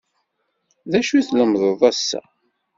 D acu i tlemdeḍ ass-a?